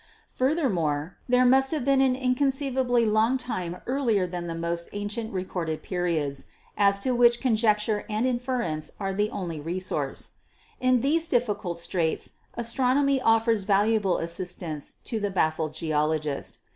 Furthermore, there must have been an inconceivably long time earlier than the most ancient recorded periods, as to which con jecture and inference are the only resource. In these diffi cult straits astronomy offers valuable assistance to the baffled geologist.